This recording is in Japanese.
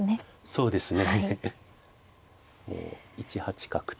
そうですね。